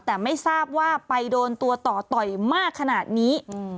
แต่ไม่ทราบว่าไปโดนตัวต่อต่อยมากขนาดนี้